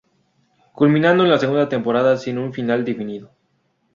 Culminado en la segunda temporada sin un final definido.